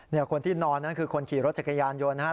คนที่นอนนั่นคือคนขี่รถจักรยานยนต์นะครับ